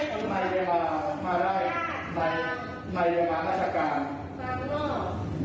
เที่ยงต่าสีเขาได้กลับบ้านหมด